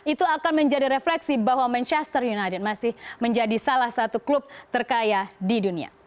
itu akan menjadi refleksi bahwa manchester united masih menjadi salah satu klub terkaya di dunia